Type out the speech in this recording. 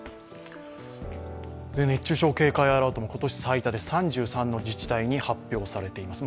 熱中症警戒アラートも今年最多で３３の自治体に発表されています。